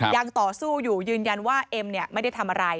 ยังต่อสู้อยู่ยืนยันว่าเอ็มไม่ได้ทำอะไร